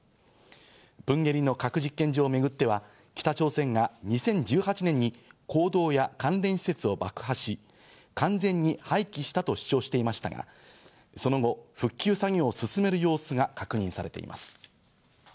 プンゲリの核実験場をめぐっては、北朝鮮が２０１８年に坑道や関連施設を爆破し、完全に廃棄したと主張していましたが、その後、復旧作業を進める様子が確認されています。